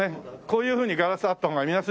こういうふうにガラスあった方が見やすいしね。